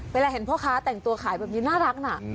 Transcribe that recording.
เวลาเห็นพ่อค้าแต่งตัวขายแบบนี้น่ารักนะ